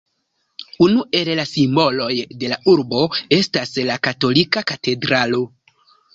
Unu el la simboloj de la urbo estas la katolika katedralo.